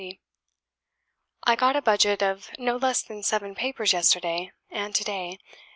"I got a budget of no less than seven papers yesterday and to day.